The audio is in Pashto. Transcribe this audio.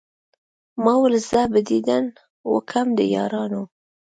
ما ول زه به ديدن وکم د يارانو